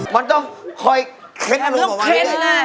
มันต้องคอยเคล็ดมันก่อน